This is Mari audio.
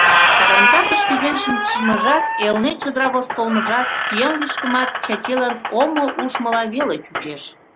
Тарантасыш кузен шичмыжат, Элнет чодыра вошт толмыжат, сӱан лӱшкымат Чачилан омо ужмыла веле чучеш.